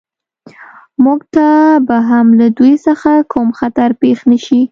موږ ته به هم له دوی څخه کوم خطر پېښ نه شي